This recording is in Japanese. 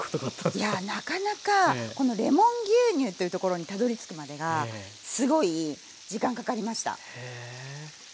いやなかなかこのレモン牛乳というところにたどりつくまでがすごい時間かかりました。